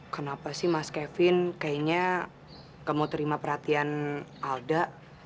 kenapa sih mas kevin kayaknya kamu terima perhatian alda